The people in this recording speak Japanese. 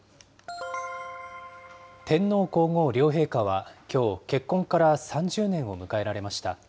天皇皇后両陛下はきょう、結婚から３０年を迎えられました。